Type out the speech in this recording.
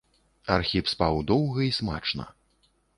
Архіп спаў доўга і смачна.